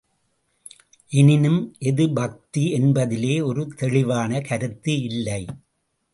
எனினும், எது பக்தி என்பதிலே ஒரு தெளிவான கருத்து இல்லை.